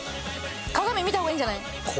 鏡見た方がいいんじゃない？